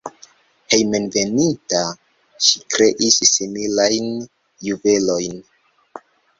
Hejmenveninta ŝi kreis similajn juvelojn.